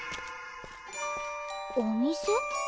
お店？